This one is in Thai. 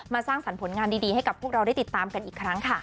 สร้างสรรค์ผลงานดีให้กับพวกเราได้ติดตามกันอีกครั้งค่ะ